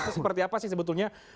seperti apa sih sebetulnya